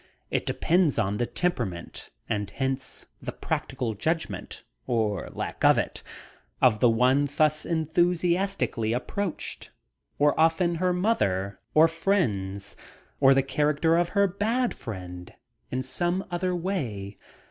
It depends on the temperament and hence the practical judgment, or lack of it, of the one thus enthusiastically approached or often her mother or friends, or the character of her bad friend in some other way.